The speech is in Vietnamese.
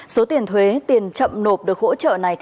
số tiền thuế tiền chậm nộp được hỗ trợ này